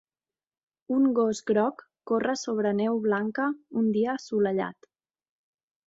Un gos groc corre sobre neu blanca un dia assolellat.